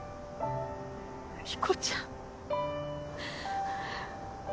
理子ちゃん。